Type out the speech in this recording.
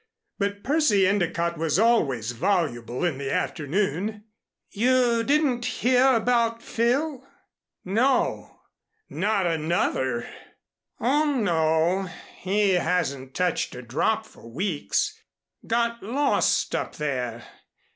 But Percy Endicott was always voluble in the afternoon. "You didn't hear about Phil?" "No not another " "Oh, no, he hasn't touched a drop for weeks. Got lost up there.